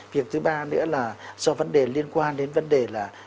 việc thứ ba nữa là do vấn đề liên quan đến vấn đề là